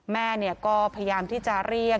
แม่ก็พยายามที่จะเรียก